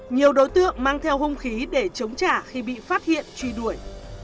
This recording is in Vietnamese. nhiều đối tượng mang theo hung khí để chống trả khi bị phát hiện truy đuổi